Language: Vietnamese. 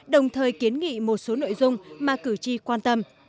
đồng thời kiến nghị một số nội dung mà cử tri quan tâm